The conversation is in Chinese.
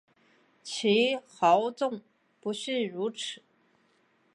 其豪纵不逊如此。